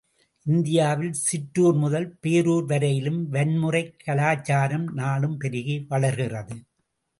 இந்தியாவில் சிற்றூர் முதல் பேரூர் வரையிலும் வன்முறைக் கலாசாரம் நாளும் பெருகி வளர்கிறது.